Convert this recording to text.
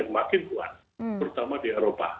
makin kuat terutama di eropa